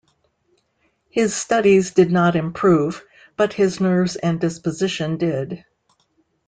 His studies did not improve, but his nerves and disposition did.